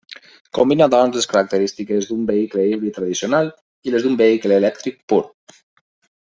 Combina doncs les característiques d'un vehicle híbrid tradicional i les d'un vehicle elèctric pur.